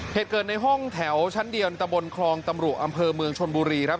เหตุเกิดในห้องแถวชั้นเดียวตะบนคลองตำรุอำเภอเมืองชนบุรีครับ